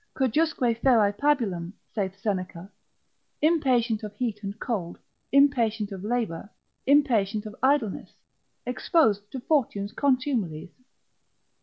Cujusque ferae pabulum, saith Seneca, impatient of heat and cold, impatient of labour, impatient of idleness, exposed to fortune's contumelies.